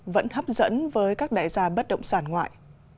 vẫn hấp dẫn với các đại gia bất động sản ngoại